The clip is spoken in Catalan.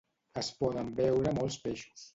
Es poden veure molts peixos.